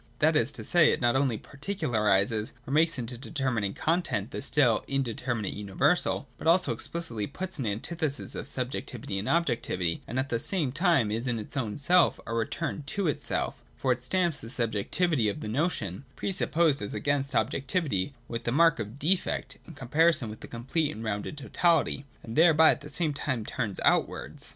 That is to say, it not only particularises or makes into a determinate content the still indeter minate universal, but also explicitly puts an antithesis of subjectivity and objectivity, and at the same time is in its own self a return to itself; for it stamps the subjec tivity of the notion, pre supposed as against objectivity, with the mark of defect, in comparison with the complete and rounded totality, and thereby at the same time turns outwards.